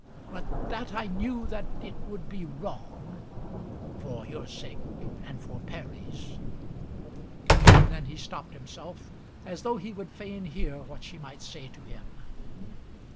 But that I knew that it would be wrong, for your sake, and for Perry's " And then he stopped himself, as though he would fain hear what she might say to him.